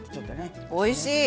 おいしい！